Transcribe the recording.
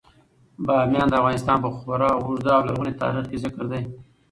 بامیان د افغانستان په خورا اوږده او لرغوني تاریخ کې ذکر دی.